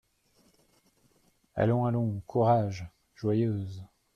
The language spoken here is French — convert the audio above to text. Allons, allons, courage, Joyeuse !